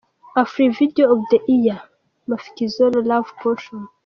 Africa Video of the Year Mafikizolo – Love Potion.